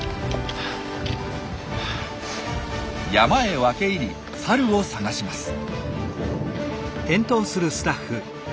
山へ分け入りサルを探します。